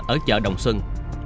ở chợ đồng xuân